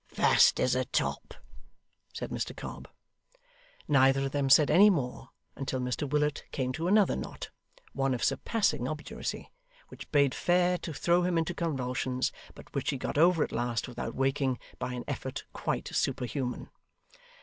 'Fast as a top,' said Mr Cobb. Neither of them said any more until Mr Willet came to another knot one of surpassing obduracy which bade fair to throw him into convulsions, but which he got over at last without waking, by an effort quite superhuman.